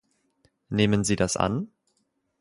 Nehmen Sie das an?